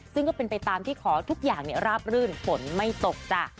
ซึ่งก็เป็นไปตามที่ขอทุกอย่างราบรื่นฝนไม่ตกจ้ะ